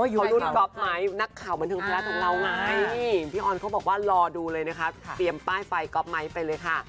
อยู่ใกล้ทั้งค่ะพี่อ่อนเขาบอกว่ารอดูเลยนะคะเตรียมป้ายไฟกรอบไมค์ไปเลยค่ะ